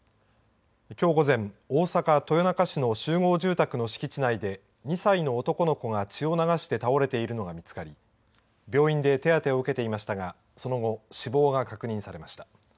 きょう午前大阪、豊中市の集合住宅の敷地内で２歳の男の子が血を流して倒れているのが見つかり病院で手当てを受けていましたがその後、死亡が確認されました。